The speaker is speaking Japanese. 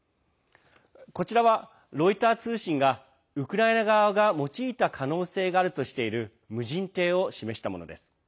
こちらは、ロイター通信がウクライナ側が用いた可能性があるとしている無人艇を示したものです。